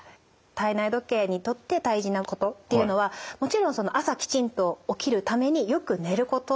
体内時計にとって大事なことっていうのはもちろん朝きちんと起きるためによく寝ること